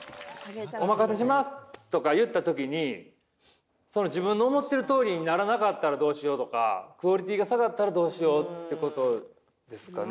「お任せします」とか言った時に自分の思ってるとおりにならなかったらどうしようとかクオリティーが下がったらどうしようってことですかね？